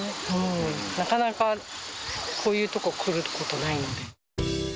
なかなかこういうとこ来ることないんで。